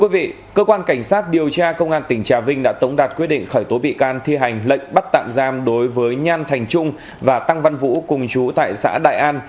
vị can thi hành lệnh bắt tạm giam đối với nhan thành trung và tăng văn vũ cùng chú tại xã đại an